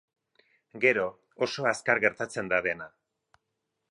Gero, oso azkar gertatzen da dena.